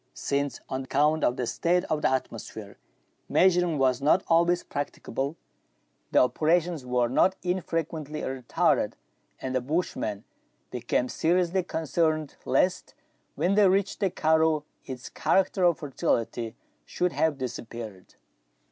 Since, on account of the state ot the atmosphere, measuring was not always practicable, the operations were not unfrequently retarded, and the bush man became seriously concerned lest when they reached the karroo its character of fertility should have dis appeared.